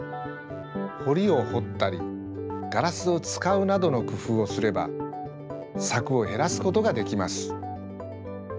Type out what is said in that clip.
ほりをほったりガラスをつかうなどのくふうをすればさくをへらすことができます。